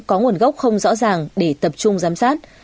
có nguồn gốc không rõ ràng để tập trung giám sát